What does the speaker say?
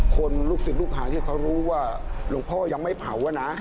ลูกศิษย์ลูกหาที่เขารู้ว่าหลวงพ่อยังไม่เผาอะนะ